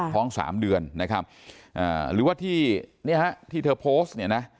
พร้อม๓เดือนนะครับหรือว่าที่เธอโพสต์เนี่ยนะ